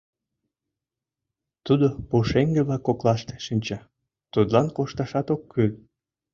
Тудо пушеҥге-влак коклаште шинча, тудлан кошташат ок кӱл.